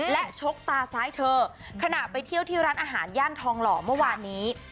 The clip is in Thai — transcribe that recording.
และชกตาซ้ายเธอขณะไปเที่ยวที่ร้านอาหารย่านทองหล่อเมื่อวานนี้